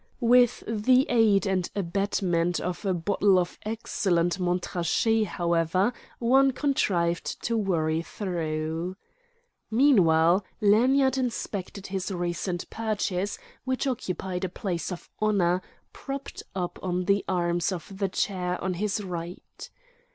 With the aid and abetment of a bottle of excellent Montrachet, however, one contrived to worry through. Meanwhile, Lanyard inspected his recent purchase, which occupied a place of honour, propped up on the arms of the chair on his right.